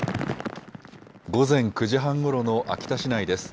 午前９時半ごろの秋田市内です。